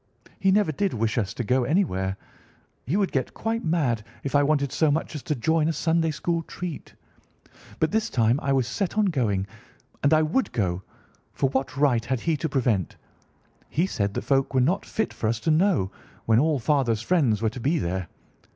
He never did wish us to go anywhere. He would get quite mad if I wanted so much as to join a Sunday school treat. But this time I was set on going, and I would go; for what right had he to prevent? He said the folk were not fit for us to know, when all father's friends were to be there.